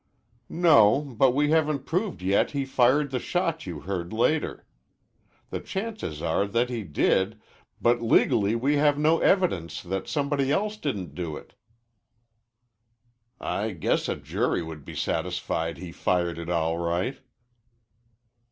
"No; but we haven't proved yet he fired the shot you heard later. The chances are all that he did, but legally we have no evidence that somebody else didn't do it." "I guess a jury would be satisfied he fired it all right."